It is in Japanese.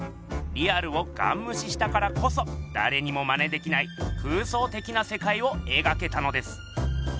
リアルをガンむししたからこそだれにもマネできない空想的なせかいをえがけたのです。